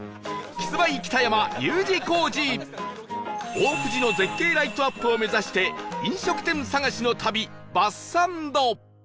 大藤の絶景ライトアップを目指して飲食店探しの旅バスサンド